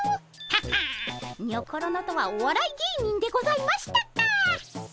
ははあにょころのとはおわらい芸人でございましたか。